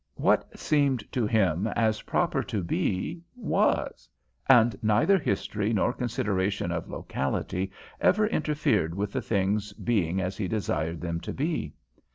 What seemed to him as proper to be was, and neither history nor considerations of locality ever interfered with the things being as he desired them to be.